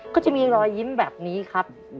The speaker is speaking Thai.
ก็จะมีรอยยิ้มแบบนี้ครับ